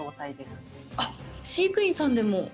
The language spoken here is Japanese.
飼育員さんでも。